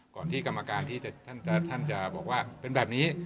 ที่กรรมการท่านจะบอกว่าเป็นแบบนี้